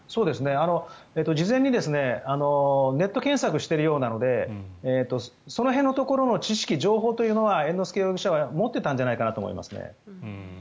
事前にネット検索をしているようなのでその辺のところの知識、情報というのは猿之助容疑者は持っていたんじゃないかなと思いますね。